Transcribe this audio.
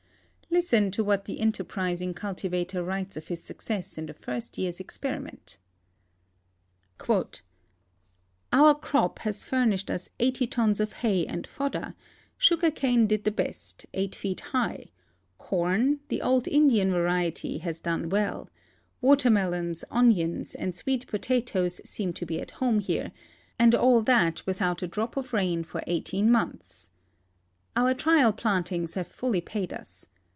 Listen to what the enterprising cultivator writes of his success in the first year's experiment :" Our crop has furnished us 80 tons of hay and fodder ; sugar cane did the best, 8 feet high ; corn, the old Indian variety, has done well ; watermehMis, onions, and sweet potatoes seem to be at home here, ami all that without a drop of rain for 18 months. Our trial plantings have fully paid us.